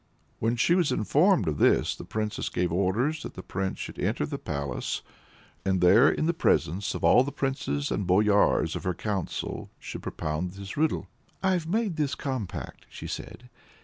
When she was informed of this, the Princess gave orders that the Prince should enter the palace, and there in the presence of all the princes and boyars of her council should propound his riddle. "I've made this compact," she said.